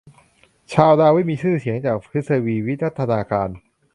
ชาลส์ ดาร์วิน มีชื่อเสียงจากทฤษฎีวิวัฒนาการ